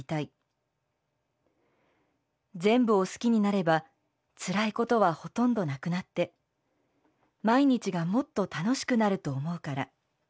全部を好きになればつらいことはほとんどなくなって毎日がもっと楽しくなると思うから。